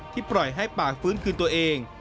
ปล่อยให้ปากฟื้นคืนตัวเอง